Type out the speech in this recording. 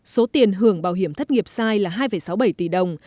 số tiền hưởng bảo hiểm thất nghiệp sai là hai sáu mươi bảy tỷ đồng